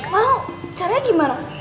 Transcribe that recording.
mau caranya gimana